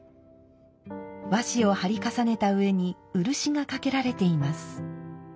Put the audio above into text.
和紙を貼り重ねた上に漆がかけられています。